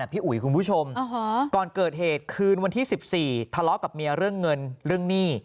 พี่อุ๋ยคุณผู้ชมก่อนเกิดเหตุคืนวันที่๑๔ทะเลาะกับเมียเรื่องเงินเรื่องหนี้